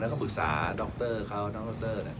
ก็ปรึกษาดรตเตอร์เขาน้องดรตเตอร์